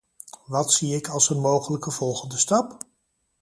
Wat zie ik als een mogelijke volgende stap?